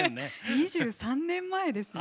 ２３年前ですよ。